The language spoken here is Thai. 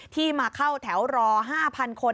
ที่มาเข้าแถวรอ๕๐๐คน